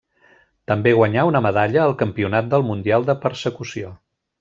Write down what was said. També guanyà una medalla al Campionat del mundial de Persecució.